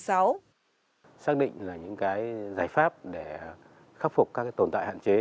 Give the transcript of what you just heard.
xác định là những cái giải pháp để khắc phục các tồn tại hạn chế